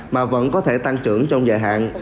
mà vẫn có thể tăng trưởng trong dài hạn